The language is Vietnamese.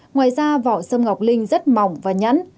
ngoài ra vỏ sâm ngọc linh rất mỏng và nhẫn